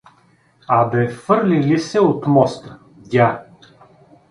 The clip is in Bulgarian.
— А бе, фърлили се от моста… Дя!